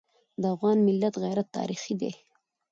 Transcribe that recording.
د افغان ملت غیرت تاریخي دی.